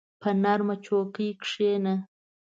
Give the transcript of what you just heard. په نرمه چوکۍ کښېنه.